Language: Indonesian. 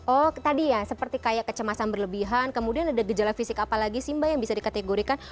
oh tadi ya seperti kayak kecemasan berlebihan kemudian ada gejala fisik apalagi simba yang bisa dikategorikan